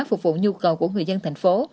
phục vụ nhu cầu của người dân tp hcm